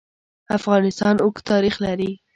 افغانستان اوږد تاریخ لري.